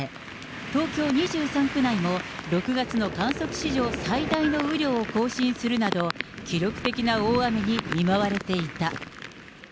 東京２３区内も、６月の観測史上最大の雨量を更新するなど、記録的な大雨に見舞われていた。